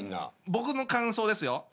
僕の感想ですよ